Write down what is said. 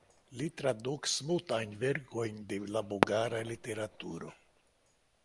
Li tradukis multajn verkojn de la bulgara literaturo.